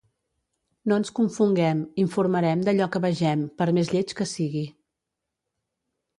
No ens confonguem, informarem d’allò que vegem, per més lleig que sigui.